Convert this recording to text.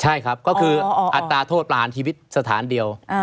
ใช่ครับก็คืออัตราโทษประหารชีวิตสถานเดียว